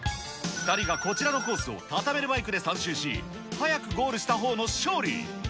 ２人がこちらのコースをタタメルバイクで３周し、早くゴールしたほうの勝利。